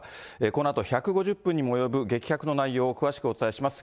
このあと１５０分にも及ぶ激白の内容を詳しくお伝えします。